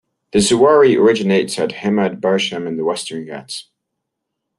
The Zuari originates at Hemad-Barshem in the Western Ghats.